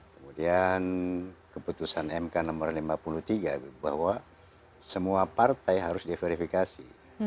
kemudian keputusan mk nomor lima puluh tiga bahwa semua partai harus diverifikasi